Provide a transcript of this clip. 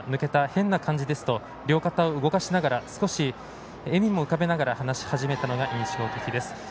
変な感じですと両肩を動かしながら少し笑みも浮かべながら話し始めたのが印象的です。